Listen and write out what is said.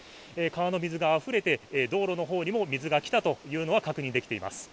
川の水があふれて道路の方にも水が来たというのは確認できています。